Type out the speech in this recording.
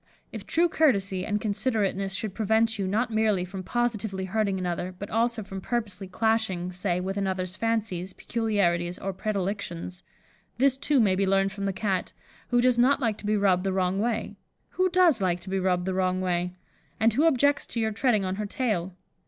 If true courtesy and considerateness should prevent you not merely from positively hurting another, but also from purposely clashing, say, with another's fancies, peculiarities, or predilections, this too, may be learned from the Cat, who does not like to be rubbed the wrong way (who does like to be rubbed the wrong way?), and who objects to your treading on her tail.